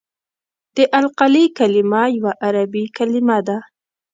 د القلي کلمه یوه عربي کلمه ده.